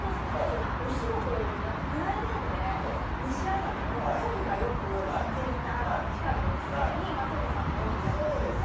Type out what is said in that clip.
私お仕事よりプライベートで西麻布の祖父がよく行っていた地下のお店に松岡さんもよくいらっしゃってて。